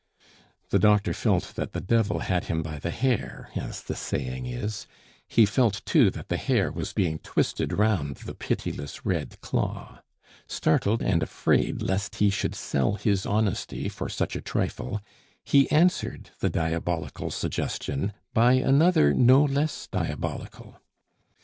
The doctor felt that the devil had him by the hair, as the saying is; he felt, too, that the hair was being twisted round the pitiless red claw. Startled and afraid lest he should sell his honesty for such a trifle, he answered the diabolical suggestion by another no less diabolical.